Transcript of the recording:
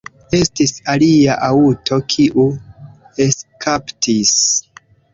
Estis alia aŭto, kiu eskapis.